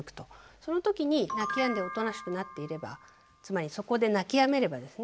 そのときに泣きやんでおとなしくなっていればつまりそこで泣きやめればですね